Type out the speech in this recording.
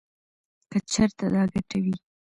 کـه چـېرتـه دا ګـټـه وې.